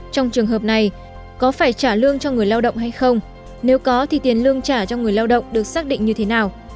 trong trường hợp này có phải trả lương cho người lao động hay không nếu có thì tiền lương trả cho người lao động được xác định như thế nào